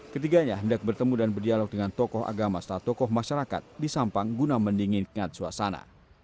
ketiganya hendak bertemu dan berdialog dengan tokoh agama setelah tokoh masyarakat di sampang guna mendingin kengat suasana